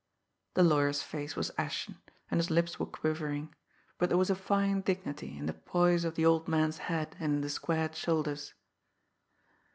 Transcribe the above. The lawyer's face was ashen, and his lips were quivering; but there was a fine dignity in the poise of the old man's head, and in the squared shoulders.